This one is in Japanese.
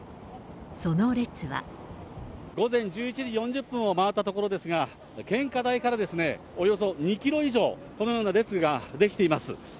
午前１１時４０分を回ったところですが、献花台からおよそ２キロ以上、このような列が出来ています。